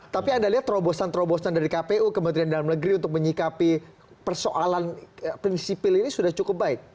tapi anda lihat terobosan terobosan dari kpu kementerian dalam negeri untuk menyikapi persoalan prinsipil ini sudah cukup baik